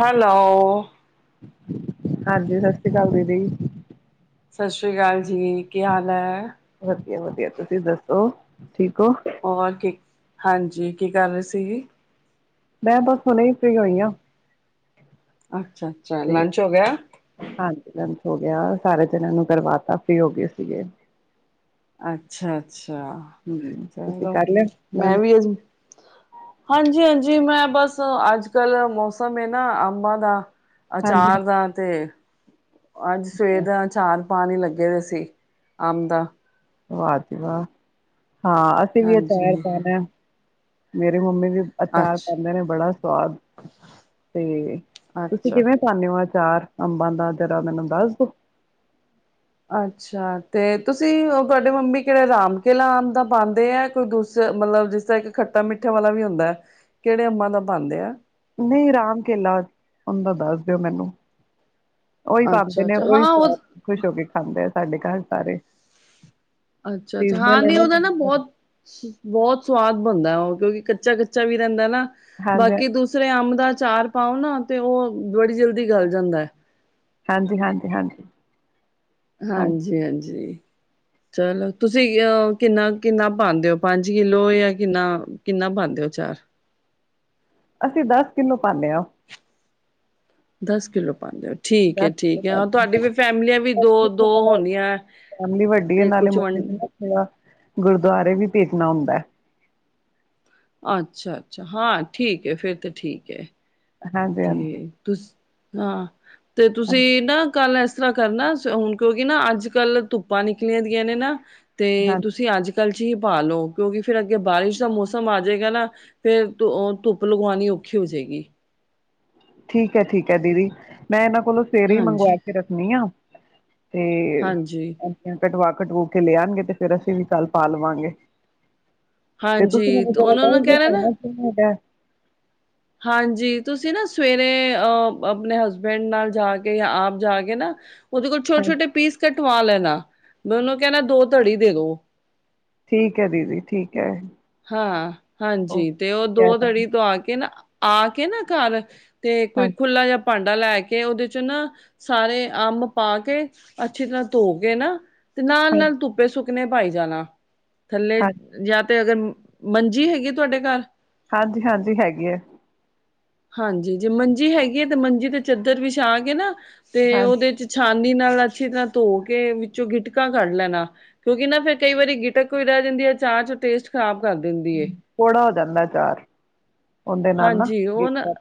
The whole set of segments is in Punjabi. ਹੈਲੋ। ਹਾਂਜੀ ਸਤਿ ਸ੍ਰੀ ਅਕਾਲ ਦੀਦੀ। ਸਤਿ ਸ਼੍ਰੀ ਅਕਾਲ ਜੀ ਕੀ ਹਾਲ ਹੈ। ਵਧੀਆ ਵਧੀਆ ਤੁਸੀਂ ਦੱਸੋ ਠੀਕ ਹੋ? ਹੋਰ ਕੀ ਹਾਂਜੀ ਕੀ ਕਰ ਰਹੇ ਸੀ। ਮੈਂ ਬਸ ਹੁਣੇ ਹੀ ਫਰੀ ਹੋਈ ਹਾਂ। ਅੱਛਾ ਅੱਛਾ ਤੇ ਲੰਚ ਹੋ ਗਿਆ। ਹਾਂਜੀ ਲੰਚ ਹੋ ਗਿਆ ਸਾਰੇ ਜਣਿਆ ਨੂੰ ਕਰਵਾ ਤਾ ਫਰੀ ਹੋ ਗਏ ਸੀਗੇ। ਅੱਛਾ ਅੱਛਾ ਹਮ ਤੁਸੀਂ ਚਲੋ ਕਰ ਲਿਆ ਮੈਂ ਲੰਚ ਵੀ ਅਜ ਹਾਂਜੀ ਹਾਂਜੀ ਮੈਂ ਬਸ ਅੱਜ ਕੱਲ ਮੌਸਮ ਹੈ ਨਾ ਅੰਬਾਂ ਦਾ ਹਾਂਜੀ ਅਚਾਰ ਦਾ ਤੇ ਅੱਜ ਸਵੇਰ ਦਾ ਅਚਾਰ ਪਾਣੀ ਲੱਗੇ ਹੋਇਆ ਸੀ ਅੰਬ ਦਾ ਵਾਹ ਜੀ ਵਾਹ ਹਾਂ ਅਸੀਂ ਇਦਾਂ ਹੀ ਅਚਾਰ ਹਾਂਜੀ, ਪਾਉਨੇ ਆ ਮੇਰੀ ਮੰਮੀ ਵੀ ਅਚਾਰ ਅੱਛ ਪਾਉਂਦੇ ਨੇ ਬੜਾ ਸਵਾਦ ਤੇ ਤੁਸੀਂ ਅੱਛਾ। ਕਿਵੇਂ ਪਾਨੇਵਾ ਅਚਾਰ ਅੰਬਾਂ ਦਾ ਜਰਾ ਮੈਨੂੰ ਦੱਸ ਦੋ। ਅੱਛਾ ਤੇ ਤੁਸੀਂ ਤੁਹਾਡੇ ਮੰਮੀ ਕਿਹੜੇ ਰਾਮ ਕੇਲਾ ਦਾ ਪਾਉਂਦੇ ਹੈ ਕੋਈ ਦੂਸ ਮਤਲਬ ਜਿਸ ਤਾਂ ਇੱਕ ਖੱਟਾ ਮਿੱਠੇ ਵਾਲਾ ਵੀ ਹੁੰਦਾ ਹੈ ਕਿਹੜੇ ਅੰਬਾਂ ਦਾ ਪਾਂਦੇ ਆ ਨਹੀਂ ਰਾਮ ਕੇਲਾ ਹੁੰਦਾ ਦੱਸ ਦਿਓ ਮੈਨੂੰ। ਉਹੀ ਪਾਉਂਦੇ ਅੱਛਾ ਨੇ ਅੱਛਾ ਉਹੀ ਹਾਂ ਉਹ ਸਵਾਦ ਖੁਸ਼ ਹੋ ਕੇ ਖਾਂਦੇ ਆ ਸਾਡੇ ਘਰ ਸਾਰੇ। ਅੱਛਾ ਅੱਛਾ ਹਾਂ ਸੀਜ਼ਨਲ ਨੀ ਇਹਨਾਂ ਉਹਦਾ ਨਾ ਨੂੰ ਬਹੁਤ। ਬਹੁਤ ਸਵਾਦ ਬਣਦਾ ਉਹ ਕਿਉਂਕਿ ਕੱਚਾ ਕੱਚਾ ਵੀ ਰਹਿੰਦਾ ਨਾ ਹਾਂਜੀ ਬਾਕੀ ਦ ਦੂਸਰੇ ਅੰਬ ਦਾ ਅਚਾਰ ਪਾਓ ਨਾ ਤੇ ਉਹ ਬੜੀ ਜਲਦੀ ਗਲ ਜਾਂਦਾ ਹੈ। ਹਾਂਜੀ ਹਾਂਜੀ ਹਾਂਜੀ। ਹਾਂਜੀ ਹਾਂਜੀ। ਚਲੋ ਤੁਸੀਂ ਅ ਕਿੰਨਾ ਕਿੰਨਾ ਪਾਉਂਦੇ ਹੋ ਪੰਜ ਕਿਲੋ ਜਾਂ ਕਿੰਨਾ। ਕਿੰਨਾ ਪਾਂਦੇ ਹੋ ਅਚਾਰ। ਅਸੀਂ ਦਸ ਕਿਲੋ ਪਾਨੇ ਆ। ਦਸ ਕਿਲੋ ਪਾਂਦੇ ਹੋ ਠੀਕ ਹੈ ਦਸ ਠੀਕ ਹੈ ਹਾਂ ਤੁਹਾਡੀ ਕਿੱਲੋ ਵੀ ਫੈਮਲੀਆਂ ਵੀ ਦੋ ਪਾਉਂਦੇ ਦੋ ਹੋਣੀਆਂ। ਫੈਮਲੀ ਵੱਡੀ ਹੈ ਤੇ ਨਾਲੇ ਕੁਛ ਵੰਡ [unintelligible] ਨਾ ਗੁਰਦੁਆਰੇ ਵੀ ਭੇਜਣਾ ਹੁੰਦਾ ਹੈ। ਅੱਛਾ ਅੱਛਾ ਹਾਂ ਠੀਕ ਹੈ ਫਿਰ ਤਾਂ ਠੀਕ ਹੈ। ਹਾਂਜੀ ਹਾਂਜੀ ਤੇ ਤੁਸ ਹਾਂ ਤੇ ਤੁਸੀਂ ਹਾਂਜੀ ਨਾ ਕੱਲ ਇਸ ਤਰ੍ਹਾਂ ਕਰਨਾ ਹੁਣ ਕਿਉਂਕਿ ਨਾ ਅੱਜ ਕੱਲ ਧੁੱਪਾਂ ਨਿਕਲੀਆਂ ਦੀਆਂ ਨੇ ਨਾ ਤੇ ਹਾਂਜੀ ਤੁਸੀਂ ਅੱਜ ਕੱਲ 'ਚ ਹੀ ਪਾ ਲਉ ਕਿਉਂਕਿ ਫਿਰ ਅੱਗੇ ਬਾਰਿਸ਼ ਦਾ ਮੌਸਮ ਆ ਜਾਵੇਗਾ ਨਾ ਫਿਰ ਧੁੱਪ ਲਗਵਾਉਣੀ ਔਖੀ ਹੋ ਜਾਏਗੀ ਠੀਕ ਹੈ ਠੀਕ ਹੈ ਦੀਦੀ ਮੈਂ ਇਹਨਾਂ ਕੋਲੋਂ ਸਵੇਰੇ ਹੀ ਹਾਂਜੀ ਮੰਗਵਾ ਕੇ ਰੱਖਣੀ ਆ ਤੇ ਹਾਂਜੀ [unintelligible] ਕਟਵਾ ਕਟਵਾ ਕੇ ਲੈ ਆਉਣਗੇ ਤੇ ਫਿਰ ਅਸੀਂ ਵੀ ਕੱਲ ਪਾ ਲਵਾਂਗੇ ਤੇ ਤੁਸੀਂ ਹਾਂਜੀ ਮੈਨੂੰ ਤੇ ਉਹਨਾਂ ਨੂੰ ਕਹਿਣਾ ਨਾ [unintelligible] ਹੈਗਾ ਹਾਂਜੀ ਤੁਸੀਂ ਨਾ ਸਵੇਰੇ ਅਹ ਆਪਣੇ ਹਸਬੈਂਡ ਨਾਲ ਜਾ ਕੇ ਆਪ ਜਾ ਕੇ ਨਾ ਉਹਦੇ ਕੋਲੋਂ ਛੋਟੇ ਹਾਂਜੀ ਛੋਟੇ ਪੀਸ ਕਟਵਾ ਲੈਣਾ ਮੈਂ ਉਹਨੂੰ ਕਹਿਣਾ ਦੋ ਧੜੀ ਦੇ ਦੋ ਠੀਕ ਹੈ ਦੀਦੀ ਠੀਕ ਹੈ। ਹਾਂ ਓਕੇ ਹਾਂਜੀ ਤੇ ਉਹ ਕਹਿ ਦੋ ਤੜੀ ਦਾਂਗੀ ਧਵਾ ਕੇ ਨਾ ਆ ਕੇ ਨਾ ਘਰ ਤੇ ਹਾਂਜੀ ਖੁੱਲਾ ਜਿਹਾ ਭਾਂਡਾ ਲੈ ਕੇ ਉਹਦੇ ਚ ਨਾ ਸਾਰੇ ਅੰਬ ਪਾ ਕੇ ਅੱਛੀ ਤਰ੍ਹਾਂ ਧੋ ਕੇ ਨਾ ਤੇ ਨਾਲ ਹਾਂਜੀ ਨਾਲ ਧੁੱਪੇ ਸੁੱਕਣੇ ਪਾਈ ਜਾਣਾ ਥੱਲੇ ਹਾਂ ਜਾਂ ਤੇ ਅਗਰ ਮੰਜੀ ਹੈਗੀ ਤੁਹਾਡੇ ਘਰ ਹਾਂਜੀ ਹਾਂਜੀ ਹੈਗੀ ਹੈ। ਹਾਂਜੀ ਜੇ ਮੰਜੀ ਹੈਗੀ ਹੈ ਤੇ ਮੰਜੀ ਤੇ ਚਾਦਰ ਵਿਛਾ ਕੇ ਨਾ ਤੇ ਹਾਂ ਉਹਦੇ ਚ ਛਾਨੀ ਨਾਲ ਅੱਛੀ ਤਰ੍ਹਾਂ ਧੋ ਕੇ ਵਿੱਚੋਂ ਗਿਟਕਾ ਕੱਢ ਲੈਣਾ ਕਿਉਂਕਿ ਨਾ ਫਿਰ ਕਈ ਵਾਰੀ ਗਿਟਕ ਵੀ ਰਹਿ ਜਾਂਦੀ ਹੈ ਅਚਾਰ ਚ ਟੇਸਟ ਖ਼ਰਾਬ ਕਰ ਦਿੰਦੀ ਹੈ। ਕੋੜਾ ਹੋ ਜਾਂਦਾ ਅਚਾਰ ਉਹਦੇ ਨਾਲ ਨਾ ਹਾਂਜੀ ਉਹ ਇਕ ਨਾ ਹੂ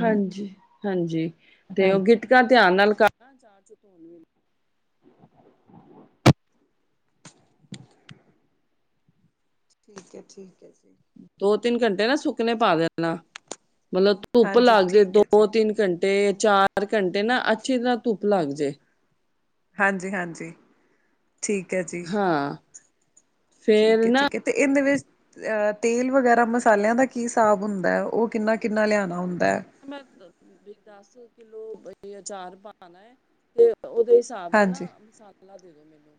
ਹਾਂਜੀ ਹਾਂਜੀ ਤੇ ਉਹ ਗਿੱਟਕਾ ਧਿਆਨ ਨਾਲ ਕੱਢਣਾ ਅਚਾਰ ਚ ਪਾਣੀਆਂ ਠੀਕ ਹੈ ਠੀਕ ਹੈ ਜੀ ਦੋ ਤਿੰਨ ਘੰਟੇ ਨਾ ਸੁੱਕਣੇ ਪਾ ਦੇਣਾ ਮਤਲਬ ਧੁੱਪ ਹਾਂਜੀ ਲੱਗ ਜੇ ਠੀਕ ਹੈ ਜੀ ਦੋ ਤਿੰਨ ਘੰਟੇ ਤੇ ਚਾਰ ਘੰਟੇ ਨਾ ਅੱਛੀ ਤਰ੍ਹਾਂ ਧੁੱਪ ਲੱਗ ਜੇ ਹਾਂਜੀ ਹਾਂਜੀ ਠੀਕ ਹੈ ਜੀ ਹਾਂ ਠੀਕ ਫੇਰ ਹੈ ਨਾ ਠੀਕ ਹੈ ਤੇ ਇਹਦੇ ਵਿੱਚ ਤੇਲ ਵਗੈਰਾ ਮਸਾਲਿਆਂ ਦਾ ਕੀ ਹਿਸਾਬ ਹੁੰਦਾ ਹੈ ਉਹ ਕਿੰਨਾ ਕਿੰਨਾ ਲਿਆਉਣਾ ਹੁੰਦਾ ਹੈ। ਮੈਂ ਵੀ ਦਸ ਕਿਲੋ ਅਚਾਰ ਪਾਨਾ ਹੈ ਤੇ ਉਹਦੇ ਹਿਸਾਬ ਦਾ ਹਾਂਜੀ ਨਾ ਮਸਾਲਾ ਦੇ ਦੋ ਮੈਨੂੰ।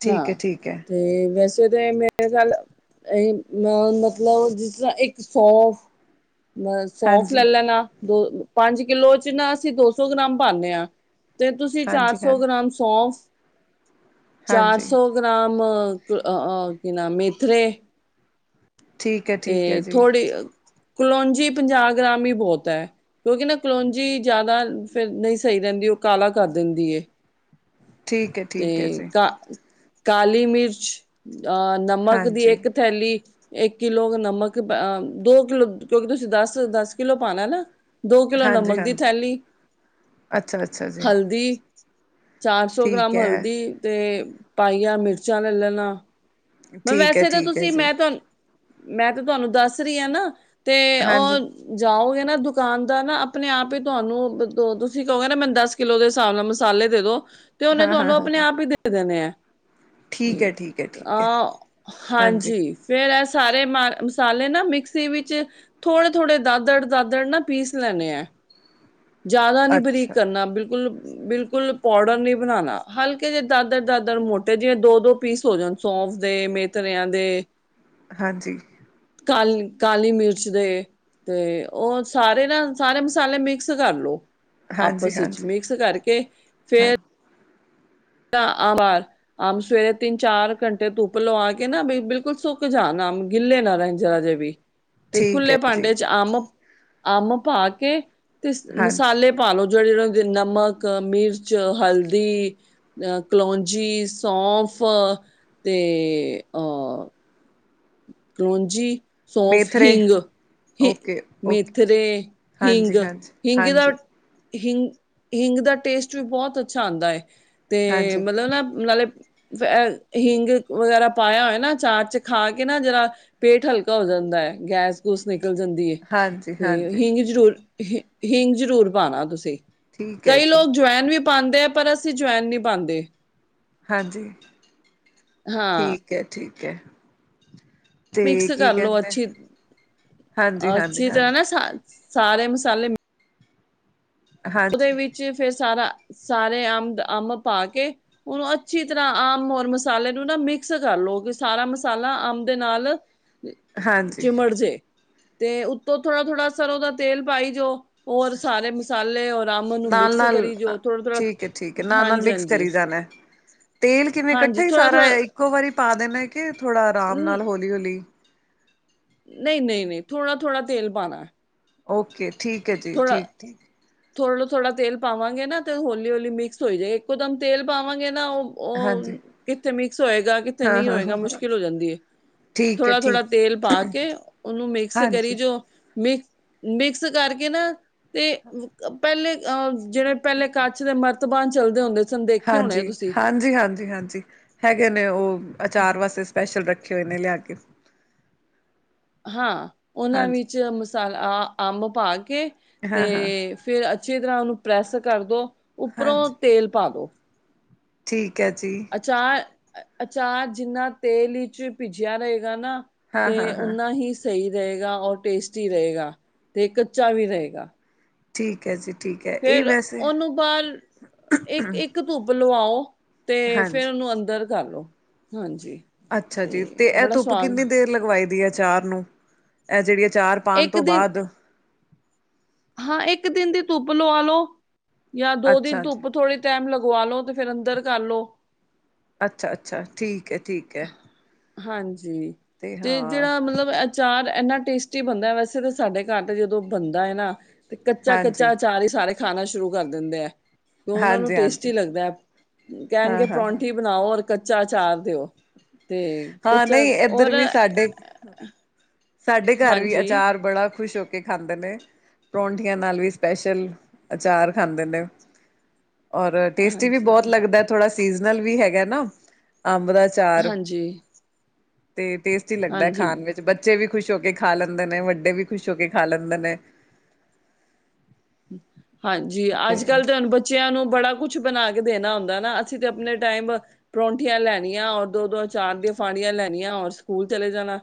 ਠੀਕ ਹੈ ਹਾਂ ਠੀਕ ਹੈ ਤੇ ਵੈਸੇ ਤਾਂ ਮੇ ਇਹ ਗੱਲ ਮਤਲਬ ਜਿਸ ਤਰ੍ਹਾਂ ਇੱਕ ਸੌਂਫ ਬਸ ਸੌਂਫ ਲੈ ਹਾਂਜੀ-ਹਾਂਜੀ ਲੈਣਾ ਦੋ ਪੰਜ ਕਿੱਲੋ ਚ ਨਾ ਅਸੀਂ ਦੋ ਸੌ ਗ੍ਰਾਮ ਪਾਨੇ ਹਾਂ। ਤੇ ਤੁਸੀਂ ਚਾਰ ਹਾਂ ਸੌ ਗ੍ਰਾਮ ਸੌਫ ਚਾਰ ਹਾਂਜੀ। ਸੌ ਗ੍ਰਾਮ ਕਿ ਨਾ ਮੇਥਰੇ ਠੀਕ ਹੈ ਤੇ ਠੀਕ ਹੈ ਜੀ ਥੋੜੀ ਕਲੋਂਜੀ ਪੰਜਾਹ ਗ੍ਰਾਮ ਹੀ ਬਹੁਤ ਹੈ। ਕਿਉਂਕਿ ਨਾ ਕਲੋਂਜੀ ਜ਼ਿਆਦਾ ਫਿਰ ਨਹੀਂ ਸਹੀ ਰਹਿੰਦੀ ਉਹ ਕਾਲਾ ਕਰ ਦਿੰਦੀ ਏ। ਠੀਕ ਹੈ। ਠੀਕ ਹੈ ਤੇ ਜੀ ਕਾਲੀ ਮਿਰਚ ਅਹ ਨਮਕ ਦੀ ਹਾਂਜੀ। ਇੱਕ ਥੈਲੀ ਇੱਕ ਕਿਲੋ ਨਮਕ ਦੋ ਕਿਲੋ ਕਿਉਂਕਿ ਤੁਸੀਂ ਦਸ ਦਸ ਕਿੱਲੋ ਪਾਉਣਾ ਨਾ ਦੋ ਕਿਲੋ ਨਮਕ ਦੀ ਹਾਂਜੀ-ਹਾਂਜੀ ਥੈਲੀ ਅੱਛਾ-ਅੱਛਾ ਜੀ। ਹਲਦੀ ਚਾਰ ਸੌ ਠੀਕ ਗ੍ਰਾਮ ਹੈ, ਹਲਦੀ ਤੇ ਪਾਈਆ ਮਿਰਚਾਂ ਲੈ ਲੈਣਾ ਠੀਕ ਹੈ, ਵੈਸੇ ਤਾਂ ਠੀਕ ਹੈ ਤੁਸੀਂ ਜੀ। ਮੈਂ ਤੁਹਾਨੂੰ ਮੈਂ ਤਾਂ ਤੁਹਾਨੂੰ ਦੱਸ ਰਹੀ ਹਾਂ ਨਾ ਤੇ ਹਾਂਜੀ, ਉਹ ਜਾਓਗੇ ਨਾ ਦੁਕਾਨਦਾਰ ਨਾ ਆਪਣੇ ਆਪ ਹੀ ਤੁਹਾਨੂੰ ਤੁਸੀਂ ਕਹੋਗੇ ਨਾ ਮੈਨੂੰ ਦੱਸ ਕੇ ਕਿੱਲੋ ਦੇ ਹਿਸਾਬ ਨਾਲ ਮਸਾਲੇ ਦੇ ਦੋ ਤੇ ਉਹਨੇ ਹਾਂ, ਹਾਂ, ਤੁਹਾਨੂੰ ਹਾਂ, ਆਪਣੇ ਹਾਂ ਆਪ ਹੀ ਦੇ ਦੇਣੇ ਐ। ਠੀਕ ਐ-ਠੀਕ ਐ-ਠੀਕ ਐ। ਹਾਂਜੀ ਫੇਰ ਸਾਰੇ ਮਾ ਮਸਾਲੇ ਨਾ ਮਿਕਸੀ ਵਿੱਚ ਥੋੜੇ-ਥੋੜੇ ਨਾ ਦਾਦੜ-ਦਾਦੜ ਨਾ ਪੀਸ ਲੈਣੇ ਐਂ। ਜ਼ਿਆਦਾ ਨੀ ਬਰੀਕ ਅੱਛਾ, ਕਰਨਾ ਬਿਲਕੁੱਲ-ਬਿਲਕੁੱਲ। ਕੁਲ ਪਾਡਰ ਨੀ ਬਣਾਣਾ ਹਲਕੇ ਜੇ ਦਾਦਰ ਦਾਦਰ ਮੋਟੇ ਜਿਵੇਂ ਦੋ-ਦੋ ਪੀਸ ਹੋ ਜਾਣ ਸੌਂਫ ਦੇ ਮੇ ਥਰਿਆਂ ਦੇ ਹਾਂਜੀ। ਕਾਲੀ ਕਾਲੀ ਮਿਰਚ ਦੇ ਤੇ ਉਹ ਸਾਰੇ ਨਾ ਸਾਰੇ ਮਸਾਲੇ ਮਿਕ- ਸ ਕਰਲੋ ਹਾਂਜੀ, ਆਪਸ ਵਿੱਚ ਹਾਂਜੀ, ਮਿਕਸ ਕਰਕੇ ਹਾਂ ਫੇਰ ਆ ਬਾਰ ਆਮ ਸਵੇਰੇ ਤਿੰਨ-ਚਾਰ ਘੰਟੇ ਧੁੱਪ ਲਵਾ ਕੇ ਨਾ ਬਿਲਕੁਲ ਸੁੱਕ ਜਾਣ ਅੰਮ ਗਿੱਲੇ ਨਾ ਰਹਿਣ ਜਰਾ ਜੇ ਵੀ। ਤੇ ਠੀਕ ਖੁੱਲੇ ਹੈ ਜੀ, ਭਾਂਡੇ ਚ ਅੰਮ ਅੰਮ ਪਾ ਕੇ ਤੇ ਹਾਂਜੀ। ਮਸਾਲੇ ਪਾ ਲੋ ਜਿਹੜੇੁੰ ਨਮਕ, ਮਿਰਚ, ਹਲਦੀ ਅ ਕਲੋਂਜੀ, ਸੌਂਫ ਤੇ ਅ ਕਲੋਂਜੀ, ਸੌਫ, ਮੇਥਰੇ, ਹਿੰਗ ਓਕੇ, ਓਕੇ, ਮੇਥੱਰੇ, ਹਿੰਗ ਹਾਂਜੀ, ਹਾਂਜੀ, ਹਿੰਗ ਦਾ ਹਾਂਜੀ। ਹਿੰਗ ਹਿੰਗ ਦਾ ਟੇਸਟ ਵੀ ਬਹੁਤ ਅੱਛਾ ਆਂਦਾ ਏ ਤੇ ਹਾਂਜੀ, ਮਤਲਬ ਨਾ ਨਾਲੇ ਹਿੰਗ ਵਗੈਰਾ ਪਾਇਆ ਹੋਏ ਨਾ ਚਾਰ ਚ ਖਾ ਕੇ ਕੇ ਨਾ ਜਿਹੜਾ ਪੇਟ ਹਲਕਾ ਹੋ ਜਾਂਦਾ ਹੈ ਗੈਸ-ਗੂਸ ਨਿਕਲ ਜਾਂਦੀ। ਹਾਂਜੀ, ਤੇ ਹਾਂਜੀ ਹੀਂਗ ਜਰੂਰ ਹਿ ਹਿੰਗ ਜਰੂਰ ਪਾਣਾ ਤੁਸੀਂ ਠੀਕ ਹੈ ਕਈ ਜੀ, ਲੋਕ ਜਵੈਨ ਵੀ ਪਾਂਦੇ ਐ ਪਰ ਅਸੀਂ ਜਵੈਨ ਨਹੀਂ ਪਾਂਦੇ। ਹਾਂਜੀ ਹਾਂ ਠੀਕ ਹੈ, ਠੀਕ ਹੈ। ਤੇ ਮਿਕਸ ਕੀ ਕਰਲੋ ਕਹਿੰਦੇ ਅੱਛੀ ਹਾਂਜੀ, ਹਾਂਜੀ, ਅੱਛੀ ਤਰ੍ਹਾਂ ਹਾਂਜੀ, ਨਾ ਸਾ ਸਾਰੇ ਮਸਾਲੇ ਉਹਦੇ ਹਾਂਜੀ, ਵਿੱਚ ਫੇਰ ਸਾਰਾ ਸਾਰੇ ਅੰਮ ਅੰਮ ਪਾ ਕੇ ਉਹਨੂੰ ਅੱਛੀ ਤਰ੍ਹਾਂ ਅੰਮ ਔਰ ਮਸਾਲੇ ਨੂੰ ਨਾ ਮਿਕਸ ਕਰ ਲਓ ਕਿ ਸਾਰਾ ਮਸਾਲਾ ਅੰਮ ਦੇ ਨਾਲ ਹਾਂਜੀ ਚੀਮੜ ਜੇ ਤੇ ਉੱਤੋਂ ਥੋੜਾ-ਥੋੜਾ ਸਰੋਂ ਦਾ ਤੇਲ ਪਾਈ ਜੋ ਔਰ ਸਾਰੇ ਮਸਾਲੇ ਅੰਬ ਨੂੰ ਮਿਕਸ ਨਾਲ-ਨਾਲ, ਕਰੀ ਜੋ ਥੋੜਾ ਥੋੜਾ ਠੀਕ ਏ-ਠੀਕ ਏ, ਨਾਲ-ਨਾਲ ਹਾਂਜੀ ਮਿਕਸ ਹਾਂਜੀ ਕਰੀ ਜਾਣਾ। ਤੇਲ ਕਿਵੇਂ ਇਕੱਠਾ ਹਾਂਜੀ ਹੀ ਥੋੜਾ ਸਾਰਾ ਥੋੜਾ ਇੱਕੋ ਵਾਰੀ ਪਾ ਦੇਣਾ ਕਿ ਥੋੜਾ ਆਰਾਮ ਨਾਲ ਹੌਲੀ-ਹੌਲੀ। ਨਹੀਂ-ਨਹੀਂ-ਨਹੀਂ ਥੋੜ੍ਹਾ-ਥੋੜ੍ਹਾ ਤੇਲ ਪਾਣਾ। ਓਕੇ ਠੀਕ ਐ ਜੀ ਠੀਕ-ਠੀਕ। ਥੋੜ੍ਹਾ-ਥੋੜ੍ਹਾ ਤੇਲ ਪਾਵਾਂਗੇ ਨਾ, ਤੇ ਹੌਲੀ- ਹੌਲੀ ਮਿਕਸ ਹੋਈ ਜਏ। ਇੱਕੋ ਦਮ ਤੇਲ ਪਾਵਾਂਗੇ ਨਾ ਉਹ ਉਹ ਹਾਂਜੀ ਕਿੱਥੇ ਮਿਕਸ ਹੋਏਗਾ, ਕਿੱਥੇ ਹਾਂ ਨਹੀਂ ਹਾਂ ਹੋਏਗਾ? ਹਾਂ ਹਾਂ ਮੁਸ਼ਕਿਲ ਹੋ ਜਾਂਦੀ ਏ। ਠੀਕ ਹੈ ਥੋੜ੍ਹਾ- ਥੋੜ੍ਹਾ ਠੀਕ ਹੈ ਤੇਲ ਪਾ ਕੇ, ਉਹਨੂੰ ਮਿਕਸ ਕਰੀ ਹਾਂਜੀ ਜੋ। ਮਿਕ- ਮਿਕਸ ਕਰਕੇ ਨਾ, ਤੇ ਅ ਪਹਿਲੇ ਆ ਜਿਹੜੇ ਪਹਿਲੇ ਕੱਚ ਦੇ ਮਰਤਬਾਨ ਚਲਦੇ ਹੁੰਦੇ ਸੀ। ਹਾਂਜੀ-ਹਾਂਜੀ-ਹਾਂਜੀ-ਹਾਂਜੀ। ਹੈਗੇ ਨੇ ਉਹ, ਅਚਾਰ ਵਾਸਤੇ ਸਪੈਸ਼ਲ ਰੱਖ ਰੱਖੇ ਹੋਏ ਨੇ ਲਿਆ ਕੇ ਹਾਂ, ਉਹਨਾਂ ਹਾਂਜੀ ਵਿੱਚ ਮਸਾਲਾ ਅੰਬ ਪਾ ਕੇ, ਹਾਂ ਤੇ ਹਾਂ ਫਿਰ ਅੱਛੀ ਤਰ੍ਹਾਂ ਉਹਨੂੰ ਪ੍ਰੈੱਸ ਕਰ ਦੋ, ਉੱਪਰੋਂ ਹਾਂਜੀ ਤੇਲ ਪਾ ਦੋ। ਠੀਕ ਹੈ ਜੀ। ਅਚਾਰ ਅਚਾਰ ਜਿੰਨਾ ਤੇਲ ਵਿੱਚ ਭਿੱਜਿਆ ਰਹੇਗਾ ਨਾ। ਹਾਂ ਤੇ ਹਾਂ ਹਾਂ ਓਨਾ ਹੀ ਸਹੀ ਰਹੇਗਾ ਔਰ ਟੇਸਟੀ ਰੇਗਾ ਤੇ ਕੱਚਾ ਵੀ ਰੇਗਾ। ਠੀਕ ਹੈ ਜੀ ਠੀਕ ਹੈ। ਇਹ ਫੇਿਰ ਵੈਸੇ ਉਹਨੂੰ ਬਾਅਦ ਇੱਕ-ਇੱਕ ਧੁੱਪ ਲਵਾਓ ਤੇ ਫੇਰ ਹਾਂਜੀ ਉਹਨੂੰ ਅੰਦਰ ਕਰ ਲੋ ਹਾਂਜੀ। ਅੱਛਾ ਜੀ ਤੇ ਇਹ ਬੜਾ ਧੁੱਪ ਸਵਾਦ ਕਿੰਨੀ ਦੇਰ ਲਗਵਾਈ ਦੀ ਏ ਅਚਾਰ ਨੂੰ। ਇਹ ਜਿਹੜੀ ਅਚਾਰ ਪਾਉਣ ਇੱਕ ਤੋਂ ਦਿਨ ਬਾਅਦ ਹਾਂ ਇੱਕ ਦਿਨ ਦੀ ਧੁੱਪ ਲਵਾ ਲਓ। ਜਾਂ ਦੋ ਦਿਨ ਅੱਛਾ ਜੀ ਧੁੱਪ ਥੋੜੀ ਟੈਮ ਲਗਵਲੋ ਤੇ ਫੇਰ ਅੰਦਰ ਕਰ ਲੋ। ਅੱਛਾ- ਅੱਛਾ। ਠੀਕ ਹੈ, ਠੀਕ ਹੈ। ਹਾਂਜੀ। ਤੇ ਜਿਹੜਾ ਮਤਲਬ ਅਚਾਰ ਇੰਨਾ ਟੇਸਟੀ ਬਣਦਾ। ਵੈਸੇ ਤਾਂ ਸਾਡੇ ਘਰ ਤਾਂ ਜਦੋਂ ਬਣਦਾ ਹੈ ਨਾ। ਤੇ ਕੱਚਾ ਹਾਂਜੀ -ਕੱਚਾ ਅਚਾਰ ਹੀ ਸਾਰੇ ਖਾਣਾ ਸ਼ੁਰੂ ਕਰ ਦਿੰਦੇ ਆ। ਕਿ ਉਹਨਾਂ ਨੂੰ ਹਾਂਜੀ ਹਾਂਜੀ ਟੇਸਟੀ ਲੱਗਦਾ ਐ। ਹਾਂ ਕਹਿਣਗੇ, ਹਾਂ ਹਾਂ ਪਰੌਂਠੀ ਬਣਾਓ ਔਰ। ਕੱਚਾ ਅਚਾਰ ਦਿਓ। ਤੇ ਹਾਂ ਕੱਚਾ ਨਹੀਂ ਇੱਧਰ ਔਰ ਵੀ ਸਾਡੇ ਸਾਡੇ ਘਰ ਵੀ ਹਾਂਜੀ ਅਚਾਰ ਬੜਾ ਖੁਸ਼ ਹੋ ਕੀ ਖਾਂਦੇ ਨੇ। ਪਰੌਂਠੀਆਂ ਨਾਲ ਵੀ ਸਪੈਸ਼ਲ ਅਚਾਰ ਖਾਂਦੇ ਨੇ। ਔਰ ਟੇਸਟੀ ਵੀ ਹਾਂਜੀ ਬਹੁਤ ਲੱਗਦਾ। ਥੋੜ੍ਹਾ ਸੀਜ਼ਨ ਵੀ ਹੈਗਾ ਨਾ, ਅੰਬ ਦਾ। ਅਚਾਰ ਹਾਂਜੀ। ਤੇ ਟੇਸਟੀ ਲਗਦਾ ਐ ਹਾਂਜੀ। ਖਾਣ ਵਿੱਚ ਬਰ ਬੱਚੇ ਵੀ ਖੁਸ਼ ਹੋ ਕੇ ਖਾ ਲੈਂਦੇ ਨੇ, ਵੱਡੇ ਵੀ ਖੁਸ਼ ਹੋ ਕੇ ਖਾ ਲੈਂਦੇ ਨੇ। ਹਾਂਜੀ। ਤੇ ਅੱਜ - ਕੱਲ੍ਹ ਤਾਂ ਹੁਣ ਬੱਚ ਬੱਚਿਆਂ ਨੂੰ ਬੜਾ ਕੁਛ ਬਣਾ ਕੇ ਦੇਣਾ ਹੁੰਦਾ ਨਾ। ਅਸੀਂ ਤੇ ਆਪਣੇ ਟਾਈਮ ਪਰੌਂਠੀਆਂ ਲੈਣੀਆਂ, ਔਰ ਦੋ- ਦੋ ਚਾਰ ਦੀਆਂ ਫਾੜੀਆਂ ਲੈਣੀਆਂ, ਔਰ ਸਕੂਲ ਚਲੇ ਜਾਣਾ।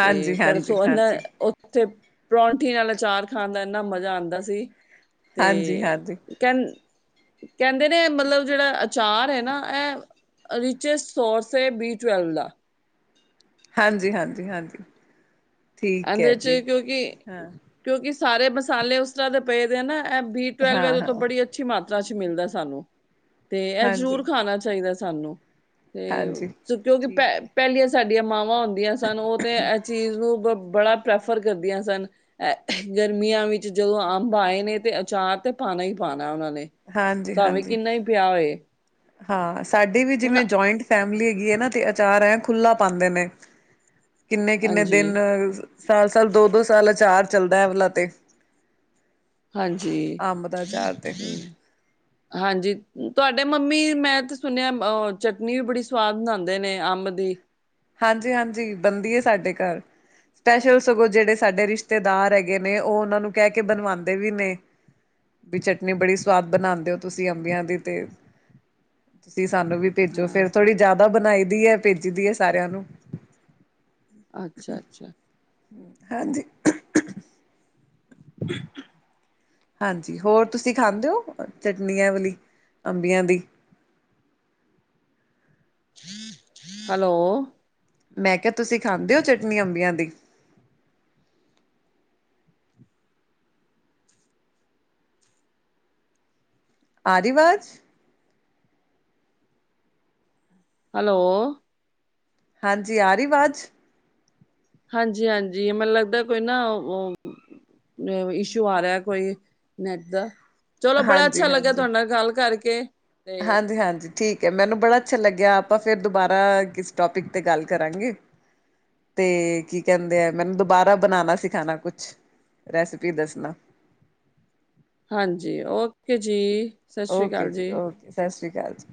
ਤੇ ਹਾਂਜੀ ਪਰਸੋ ਹਾਂਜੀ ਹਾਂਜੀ ਉਹਨਾਂ----ਓਹ! ਤੇ ਪ੍ਰੌਠੀਆਂ ਨਾਲ ਅਚਾਰ ਖਾਣ ਦਾ ਇੰਨਾ ਮਜ਼ਾ ਆਦਾਂ ਸੀ। ਤੇ, ਹਾਂਜੀ ਹਾਂਜੀ ਕਹਨ ਕਹਿੰਦੇ ਨੇ, ਮਤਲਬ ਜਿਹੜਾ ਅਚਾਰ ਹੈ ਨਾ, ਐਹ ਰਿਚੈਸ ਸੋਰਸ ਹੈ ਬੀ ਟਵੈਲਵ ਦਾ। ਹਾਂਜੀ- ਹਾਂਜੀ- ਹਾਂਜੀ। ਠੀਕ ਹੈ ਇਹਦੇ ਜੀ। ਚ ਕਿਉਂਕਿ ਹਾਂ। ਕਿਉਂਕਿ ਸਾਰੇ ਮਸਾਲੇ ਉਸ ਤਰ੍ਹਾਂ ਦੇ ਪਏ ਦੇ ਨਾ, ਐਹ ਬੀ ਹਾਂ ਟਵੈਲਵੈਲ ਤੋਂ ਹਾਂ ਬੜੀ ਅੱਛੀ ਮਾਤਰਾ 'ਚ ਮਿਲਦਾ ਸਾਨੂੰ, ਤੇ ਇਹ ਹਾਂਜੀ ਜ਼ਰੂਰ ਖਾਣਾ ਚਾਹੀਦਾ ਸਾਨੂੰ। ਤੇ ਹਾਂਜੀ ਜੋ, ਕਿਉਂਕਿ ਪਹਿ ਠੀਕ ਹੈ ਪਹਿਲੀਆਂ ਸਾਡੀਆਂ ਮਾਵਾਂ ਹੁੰਦੀਆਂ ਸਨ, ਉਹ ਤੇ ਐਹ ਚੀਜ਼ ਨੂੰ ਬੜਾ ਪ੍ਰੈਫਰ ਕਰਦੀਆਂ ਸਨ। ਐ ਗਰਮੀਆਂ ਵਿੱਚ ਜਦੋਂ ਅੰਬ ਆਏ ਨੇ, ਤੇ ਅਚਾਰ ਤੇ ਪਾਉਣਾ ਹੀ ਪਾਉਣਾ ਉਹਨਾਂ ਨੇ। ਹਾਂਜੀ ਭਾਵੇਂ ਹਾਂਜੀ ਕਿੰਨਾ ਈ ਪਿਆ ਹੋਏ। ਹਾਂ, ਸਾਡੇ ਵੀ ਹੁਣ ਜਿਵੇਂ ਜੁਆਇੰਟ ਫੈਮਿਲੀ ਹੈਗੀ ਏ ਨਾ, ਤੇ ਅਚਾਰ ਐ, ਖੁੱਲ੍ਹਾ ਪਾਉਦੇ ਨੇ। ਕਿੰਨੇ- ਕਿੰਨੇ ਹਾਂਜੀ ਦਿਨ ਸਾਲ-ਸਾਲ, ਦੋ-ਦੋ ਸਾਲ ਆਚਾਰ ਚੱਲਦਾ ਇਹ ਵਾਲਾ ਤੇ। ਹਾਂਜੀ। ਅੰਬ ਦਾ ਅਚਾਰ ਤੇ ਹਾਂਜੀ। ਤੁਹਾਡੇ ਮੰਮੀ, ਮੈਂ ਤੇ ਸੁਣਿਆ ਅ ਚਟਨੀ ਵੀ ਬੜੀ ਸਵਾਦ ਬਣਾਉਂਦੇ ਨੇ ਅੰਬ ਦੀ। ਹਾਂਜੀ- ਹਾਂਜੀ ਬਣਦੀ ਹੈ ਸਾਡੇ ਘਰ। ਸਪੈਸ਼ਲ ਸਗੋਂ ਜਿਹੜੇ ਸਾਡੇ ਰਿਸ਼ਤੇਦਾਰ ਹੈਗੇ ਨੇ। ਉਹ ਉਹਨਾਂ ਨੂੰ ਕਹਿ ਕੇ ਬਣਵਾਉਂਦੇ ਵੀ ਨੇ। ਵੀ ਚਟਨੀ ਬੜੀ ਸਵਾਦ ਬਣਾਉਂਦੇ ਹੋ ਤੁਸੀਂ ਅੰਬੀਆਂ ਦੀ ਤੇ। ਤੁਸੀਂ ਸਾਨੂੰ ਵੀ ਭੇਜੋ ਫੇਰ ਹਾਂ ਥੋੜ੍ਹੀ ਜ਼ਿਆਦਾ ਬਣਾਈ ਦੀ ਹੈ ਭੇਜੀ ਦੀ ਹੈ ਸਾਰਿਆਂ ਨੂੰ। ਅੱਛਾ- ਅੱਛਾ। ਹਾਂਜੀ। ਹ [inaudible] ਹਾਂਜੀ। ਹੋਰ ਤੁਸੀਂ ਖਾਂਦੇ ਹੋ, ਚਟਨੀ ਏ ਵਾਲੀ ਅੰਬੀਆਂ ਦੀ। ਹੈਲੋ, ਮੈਂ ਕਿਹਾ, ਤੁਸੀਂ ਖਾਂਦੇ ਹੋ ਚਟਨੀ ਅੰਬੀਆਂ ਦੀ? ਆ ਗੀ ਆਵਾਜ਼। ਹੈਲੋ, ਹਾਂਜੀ, ਆ ਰਹੀ ਆਵਾਜ਼। ਹਾਂਜੀ- ਹਾਂਜੀ। ਮੈਨੂੰ ਲੱਗਦਾ ਕੋਈ ਨਾ, ਓਹ ਰ ਇਸ਼ੂ ਆ ਰਿਹਾ ਕੋਈ, ਨੈਟ ਦਾ। ਚਲੋ, ਬੜਾ ਅੱਛਾ ਹਾਂਜੀ ਲੱਗਾ ਤੁਹਾਡੇ ਨਾ ਗੱਲ ਕਰਕੇ। ਤੇ ਹਾਂਜੀ-ਹਾਂਜੀ। ਠੀਕ ਐ, ਮੈਨੂੰ ਬੜਾ ਅੱਛਾ ਲੱਗਿਆ। ਆਪਾਂ ਫਿਰ ਦੁਬਾਰਾ ਕਿਸ ਟੋਪਿਕ 'ਤੇ ਗੱਲ ਕਰਾਂਗੇ। ਤੇ, ਕੀ ਕੈਂਦੇ ਆਮੈ ਨੂੰ ਦੁਬਾਰਾ ਬਣਾਣਾ ਸਿਖਾਣਾ ਕੁਛ। ਰੈਸਿਪੀ ਦੱਸਣਾ। ਹਾਂਜੀ ਓਕੇ ਜੀ। ਸਤਿ ਸ੍ਰੀ ਓਕੇ ਅਕਾਲ ਜੀ ਓ ਸਤਿ ਸਸਰੀ ਕਾਲ ਜੀ।